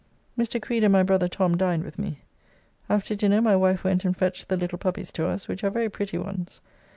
Mr. Creed and my brother Tom dined with me. After dinner my wife went and fetched the little puppies to us, which are very pretty ones.